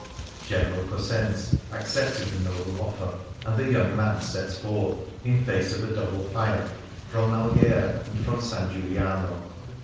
General Cosenz accepted the noble offer, and the young man set forth, in face of a double fire, from Malghera and from S. Giuliano.